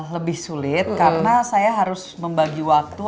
lebih sulit karena saya harus membagi waktu